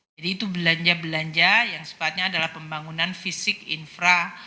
jadi itu belanja belanja yang sepatutnya adalah pembangunan fisik infra